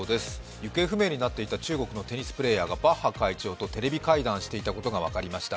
行方不明になっていた中国のテニスプレーヤーがバッハ会長とテレビ会談していたことが分かりました。